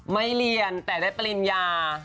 ไม่เรียนแต่ได้ปริญญา